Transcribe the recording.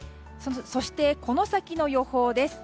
そして、この先の予報です。